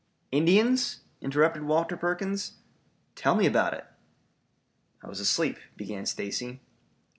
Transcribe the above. "Indians?" interrupted Walter Perkins. "Tell me about it?" "I was asleep," began Stacy.